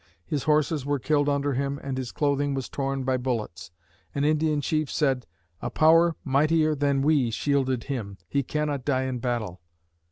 His horses were killed under him and his clothing was torn by bullets. An Indian chief said, "A Power mightier than we shielded him. He cannot die in battle!"